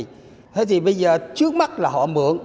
thế thì bây giờ trước mắt là họ mượn